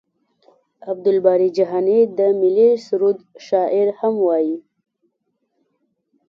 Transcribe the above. عبدالباري جهاني ته د ملي سرود شاعر هم وايي.